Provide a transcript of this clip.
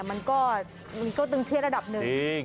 มันก็ก็ตึงเทียดระดับนึง